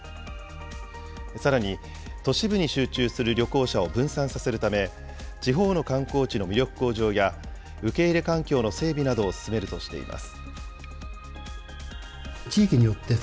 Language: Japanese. さらに、都市部に集中する旅行者を分散させるため、地方の観光地の魅力向上や、受け入れ環境の整備などを進めるとしています。